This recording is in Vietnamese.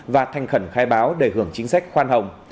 và thanh khẩn khai báo đề hưởng chính sách quan hồng